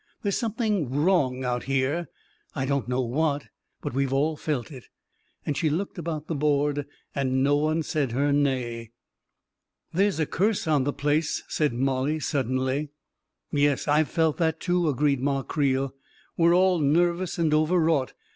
There's something wrong out here — I don't know what — but we've all felt it." And she looked about the board, and no one said her nay. " There's a curse on the place !" said Mollie, sud denly. 41 Yes, — I've felt that, too," agreed Ma Creel. "We're all nervous and overwrought.